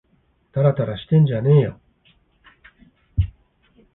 たらたらしてんじゃねぇよ